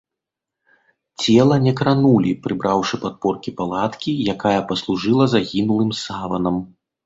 Цела не кранулі, прыбраўшы падпоркі палаткі, якая паслужыла загінулым саванам.